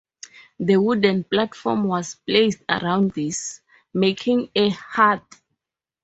The wooden platform was placed around this, making a hearth.